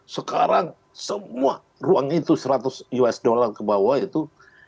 sekarang semua ruang itu seratus usd ke bawah itu